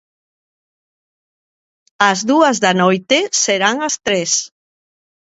Ás dúas da noite serán as tres.